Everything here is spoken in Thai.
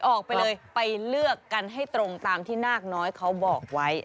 ออกไปเลยไปเลือกกันให้ตรงตามที่นาคน้อยเขาบอกไว้